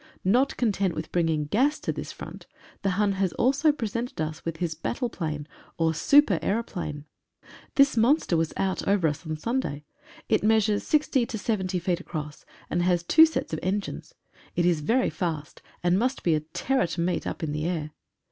Not content with bringing gas to this front, the Hun has also presented us with his battleplane or super aeroplane. This monster was out over us on Sunday. It measures 60 70 feet across, and has two sets of engines. It is very fast, and must be a terror to meet up in the air.